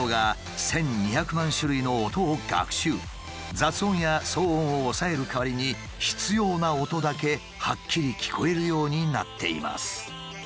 雑音や騒音を抑える代わりに必要な音だけはっきり聞こえるようになっています。